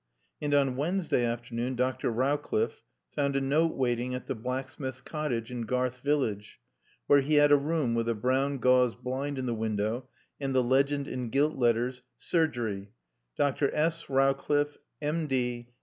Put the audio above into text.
And on Wednesday afternoon Dr. Rowcliffe found a note waiting at the blacksmith's cottage in Garth village, where he had a room with a brown gauze blind in the window and the legend in gilt letters: SURGERY Dr. S. Rowcliffe, M.